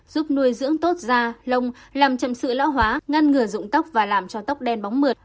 giúp nuôi dưỡng tốt da lông làm chậm sự lão hóa ngăn ngừa dụng tóc và làm cho tóc đen bóng mượt